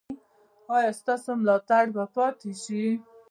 ایا ستاسو ملاتړ به پاتې شي؟